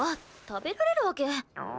食べられるわけ。